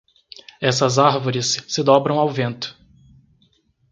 Essas árvores se dobram ao vento.